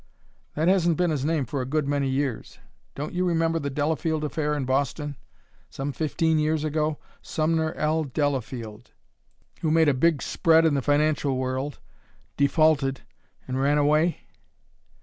"That hasn't been his name for a good many years. Don't you remember the Delafield affair in Boston, some fifteen years ago Sumner L. Delafield, who made a big spread in the financial world, defaulted, and ran away?"